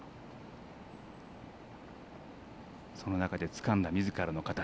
その中でつかんだみずからの形。